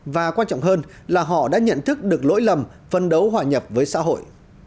và quan trọng hơn là họ đã nhận thức được lỗi lầm phân đấu hòa nhập với xã hội